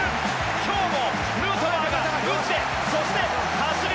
今日もヌートバーが打ってそして走る！